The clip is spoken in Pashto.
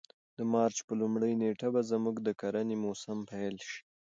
د مارچ په لومړۍ نېټه به زموږ د کرنې موسم پیل شي.